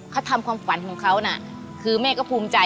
เขาทำความฝันของเขาน่ะคือแม่ก็ภูมิใจ